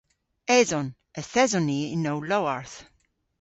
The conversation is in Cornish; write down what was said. Eson. Yth eson ni yn ow lowarth.